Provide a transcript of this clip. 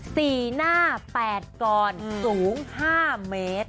สี่หน้าแปดกอนสูงห้าเมตร